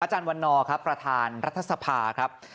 อาจารย์วันนอร์ประธานรัฐศพาครับ